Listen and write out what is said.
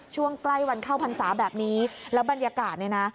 ช่วงใกล้วันเข้าพรรษาแบบนี้แล้วบรรยากาศเนี่ยนะ